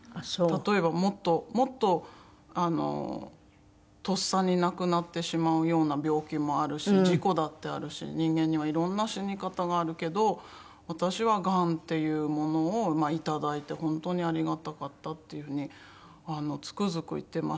例えばもっともっととっさに亡くなってしまうような病気もあるし事故だってあるし人間にはいろんな死に方があるけど私はがんっていうものをいただいて本当にありがたかったっていう風につくづく言ってました。